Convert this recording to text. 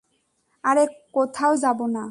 আরে, কোথাও যাবো না!